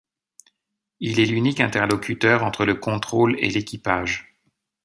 Il est l'unique interlocuteur entre le contrôle et l'équipage.